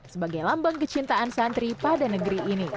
sebagai lambang kecintaan santri pada negeri ini